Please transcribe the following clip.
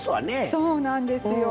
そうなんですよ。